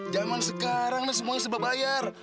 jaman sekarang ini semuanya sebelah bayar